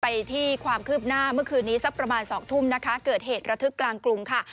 ไปที่ความคืบหน้าเมื่อคืนนี้สักประมาณ๒ทุ่มนะคะเกิดเหตุระทึกกลางกรุงค่ะ